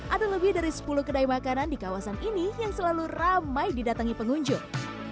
ada lebih dari sepuluh kedai makanan di kawasan ini yang selalu ramai didatangi pengunjung